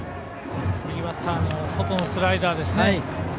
右バッターへの外のスライダーですね。